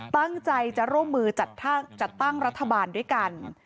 ตั้งใจจะร่วมมือจัดตั้งรัฐบาลด้วยกัน